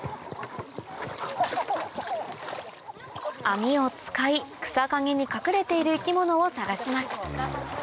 網を使い草陰に隠れている生き物を探します